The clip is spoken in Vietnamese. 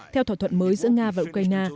theo thỏa thuận mới giữa nga và ukraine